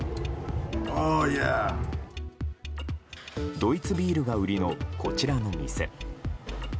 ドイツビールが売りのこちらの店。